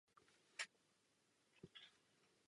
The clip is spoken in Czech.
V tomto ohledu jsme vyslechli spoustu slov o silné Evropě.